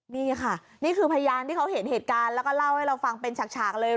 นี่ค่ะนี่คือพยานที่เขาเห็นเหตุการณ์แล้วก็เล่าให้เราฟังเป็นฉากเลย